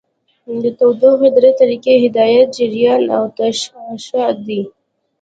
د تودوخې درې طریقې هدایت، جریان او تشعشع دي.